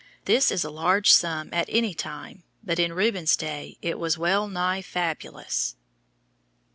This is a large sum at any time but in Rubens' day it was well nigh fabulous.